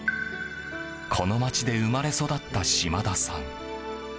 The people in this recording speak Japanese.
この町で生まれ育った嶋田さん。